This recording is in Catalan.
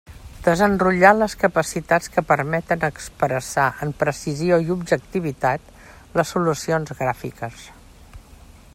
Desenrotllar les capacitats que permeten expressar amb precisió i objectivitat les solucions gràfiques.